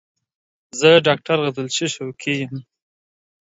زه ډاکټر غزلچی شوقی یم